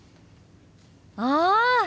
ああ！